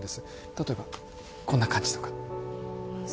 例えばこんな感じとかあっ